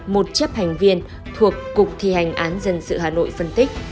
một chấp hành viên thuộc cục thi hành án dân sự hà nội phân tích